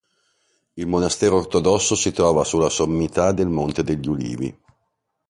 Il monastero ortodosso si trova sulla sommità del Monte degli Ulivi.